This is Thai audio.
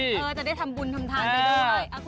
เออจะได้ทำบุญทำทางไปด้วยแล้วคุณพี่ดินเหรอนะ